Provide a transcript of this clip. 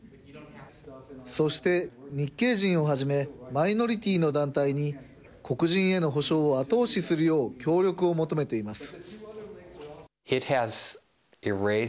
そして日系人をはじめ、マイノリティの団体に、黒人への補償を後押しするよう協力を求めています。